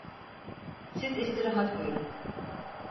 Siz istirahat buyurun!